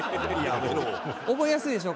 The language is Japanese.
覚えやすいでしょ？